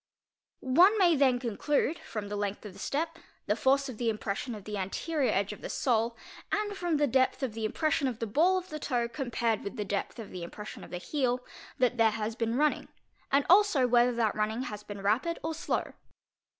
One may then conclude, from the length of the step, the force of the impression of the anterior edge of the sole; and from the depth of the impression of the ball of the toe, comparec with the depth of the impression of the heel, that there has been run ning, and also whether that running has been rapid or slow.